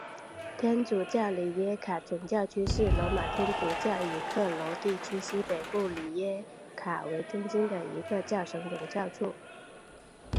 天主教里耶卡总教区是罗马天主教以克罗地亚西北部里耶卡为中心的一个教省总教区。